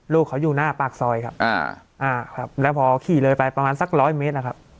ลูกเขาอยู่หน้าปากซอยครับแล้วพอขี่เลยไปประมาณสักร้อยเมตรนะครับ